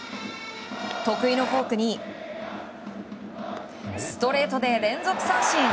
得意のフォークにストレートで連続三振。